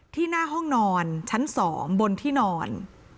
หน้าห้องนอนชั้น๒บนที่นอน